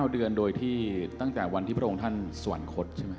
๙เดือนโดยที่ตั้งแต่วันที่พระองค์ท่านสวรรคตใช่ไหม